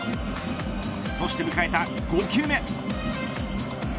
そして、迎えた５球目。